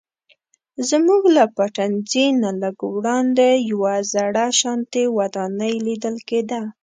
زموږ له پټنځي نه لږ وړاندې یوه زړه شانتې ودانۍ لیدل کیده.